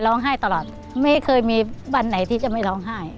ให้ตลอดไม่เคยมีวันไหนที่จะไม่ร้องไห้